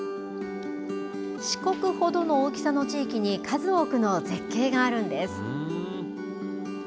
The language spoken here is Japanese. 四国ほどの大きさの地域に、数多くの絶景があるんです。